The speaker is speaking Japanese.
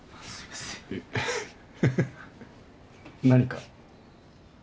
何か？